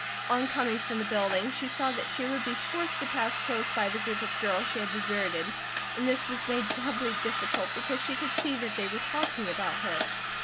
On coming from the building she saw that she would be forced to pass close by the group of girls she had deserted and this was made doubly difficult because she could see that they were talking about her.